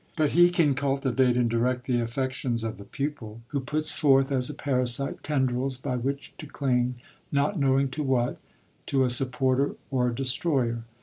But he can cultivate and direct the affections of the pupil, who puts forth, as a parasite, tendrils by which to cling, not knowing to what — to a supporter or a destroyer.